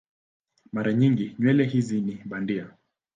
Mara nyingi nywele hizi ni bandia.